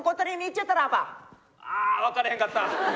ああ分からへんかった！